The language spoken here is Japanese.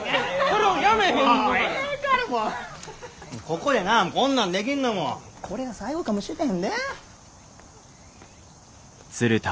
ここでなこんなんできんのもこれが最後かもしれへんで。